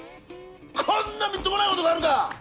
こんなみっともないことがあるか！